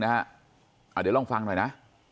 เดี๋ยวลองฟังหน่อยนะ